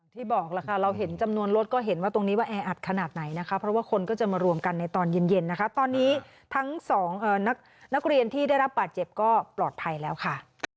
ที่บอกล่ะค่ะเราเห็นจำนวนรถก็เห็นว่าตรงนี้ว่าแออัดขนาดไหนนะคะเพราะว่าคนก็จะมารวมกันในตอนเย็นนะคะตอนนี้ทั้งสองนักเรียนที่ได้รับบาดเจ็บก็ปลอดภัยแล้วค่ะ